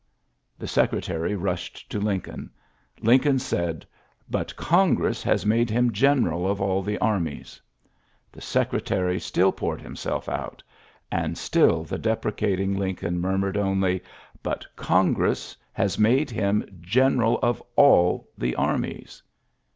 The Secretary rushed to Lincoln. Lin coln said, ^^ But Congress has made him general of all the armies." The Secre tary still poured himself out ; and still the deprecating Lincoln murmured only, ^^But Congress has made him general of 1 the armies."